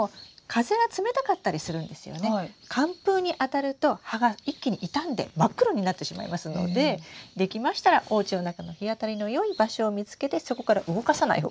寒風にあたると葉が一気に傷んで真っ黒になってしまいますのでできましたらおうちの中の日当たりのよい場所を見つけてそこから動かさない方がいいです。